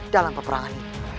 dalam peperangan ini